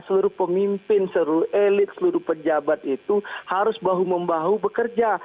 seluruh pemimpin seluruh elit seluruh pejabat itu harus bahu membahu bekerja